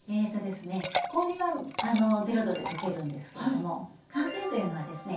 氷は０℃でとけるんですけれども寒天というのはですね